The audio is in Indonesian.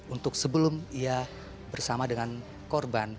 untuk sebelum ia bersama dengan korban